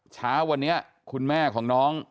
เช้าวันนี้คุณแม่ของน้อง